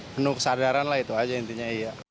penuh kesadaran lah itu aja intinya iya